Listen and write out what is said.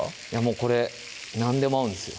これ何でも合うんですよ